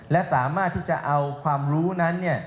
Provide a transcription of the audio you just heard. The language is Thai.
และสามารถที่จะเอาความรู้นั้น